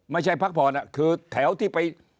ไม่ใช่พักผ่อนอะคือแถวที่ไป